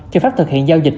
chỉ phát thực hiện giao dịch